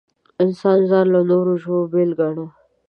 انسان ځان له نورو ژوو بېل ګاڼه.